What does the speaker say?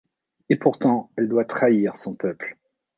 Et pourtant, elle doit trahir son peuple.